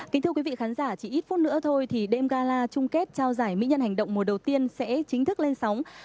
kính thưa quý vị khán giả chỉ ít phút nữa thôi thì đêm gala chung kết trao giải mỹ nhân hành động mùa đầu tiên sẽ chính thức lên sóng